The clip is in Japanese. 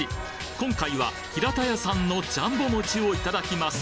今回は平田屋さんのジャンボ餅をいただきます